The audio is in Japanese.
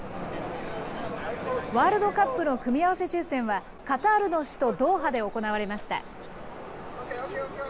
ワールドカップの組み合わせ抽せんは、カタールの首都ドーハで行われました。